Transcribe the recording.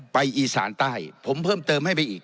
อีสานใต้ผมเพิ่มเติมให้ไปอีก